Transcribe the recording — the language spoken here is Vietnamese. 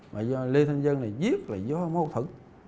mà do lê thanh vân này giết là do mô thử